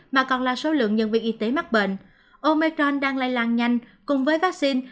mà còn là số lượng nhân viên y tế mắc bệnh omecron đang lây lan nhanh cùng với vaccine